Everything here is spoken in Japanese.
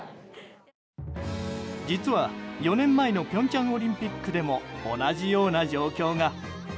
実は４年前の平昌オリンピックでも同じような状況が。